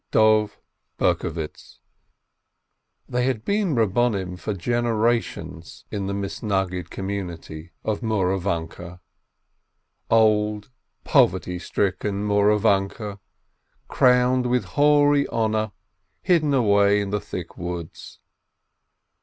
THE LAST OF THEM They had been Rabbonim for generations in the Misnagdic community of Mouravanke, old, poverty stricken Mouravanke, crowned with hoary honor, hidden away in the thick woods.